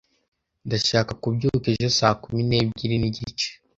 Ndashaka kubyuka ejo saa kumi n'ebyiri n'igice.